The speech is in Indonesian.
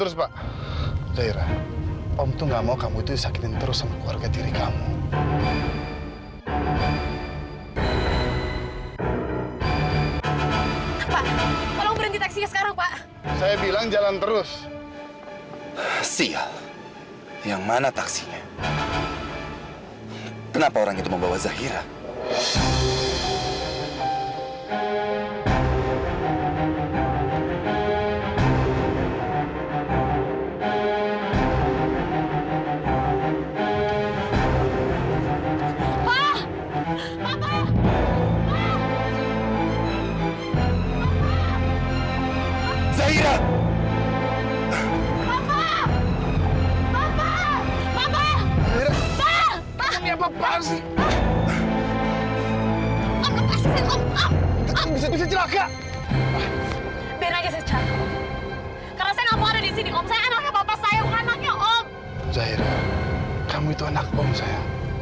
sampai jumpa di video selanjutnya